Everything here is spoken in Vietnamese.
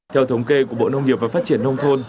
theo thống kê của bộ nông nghiệp và phát triển nông thôn